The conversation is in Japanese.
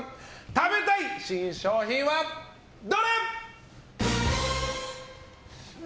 食べたい新商品はどれ！